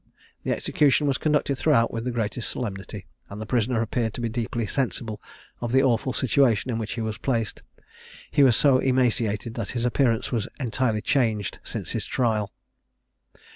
The execution was conducted throughout with the greatest solemnity, and the prisoner appeared to be deeply sensible of the awful situation in which he was placed. He was so emaciated that his appearance was entirely changed since his trial.